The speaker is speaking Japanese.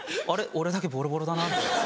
俺だけボロボロだな」。